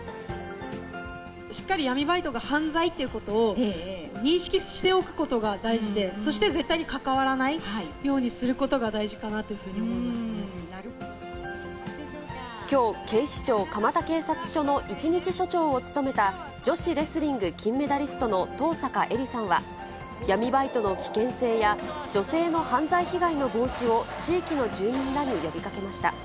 しっかり闇バイトが犯罪っていうことを認識しておくことが大事で、そして絶対に関わらないようにすることが大事かなっていうふうにきょう、警視庁蒲田警察署の一日署長を務めた女子レスリング金メダリストの登坂絵莉さんは、闇バイトの危険性や、女性の犯罪被害の防止を、地域の住民らに呼びかけました。